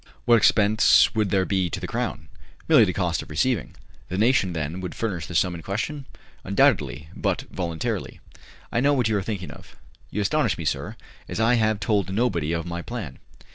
"What expense would there be to the Crown?" "Merely the cost of receiving." "The nation, then, would furnish the sum in question?" "Undoubtedly, but voluntarily." "I know what you are thinking of." "You astonish me, sir, as I have told nobody of my plan."